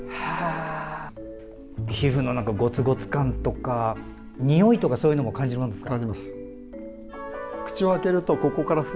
皮膚のゴツゴツ感とかにおいとかそういうのも感じるんですか？